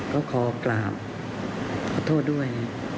ก็ขอกราบขอโทษด้วย